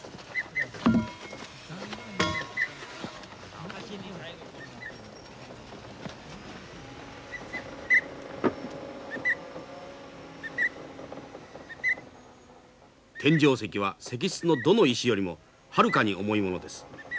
天井石は石室のどの石よりもはるかに重いものです。